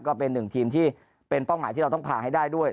ก็เป็นหนึ่งทีมที่เป็นเป้าหมายที่เราต้องผ่าให้ได้ด้วย